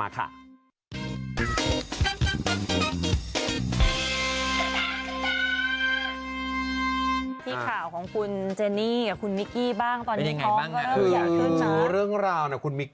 ที่ข่าวของคุณเจนี่กับคุณมิกกี้ตอนนี้ท้องก็เริ่มอยากขึ้นมั้ย